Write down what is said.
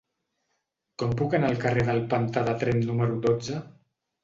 Com puc anar al carrer del Pantà de Tremp número dotze?